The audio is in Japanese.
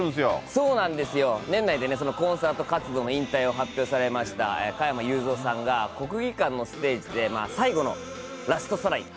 そうなんですよ、年内でコンサート活動の引退を発表されました加山雄三さんが国技館のステージで最後のラストサライ。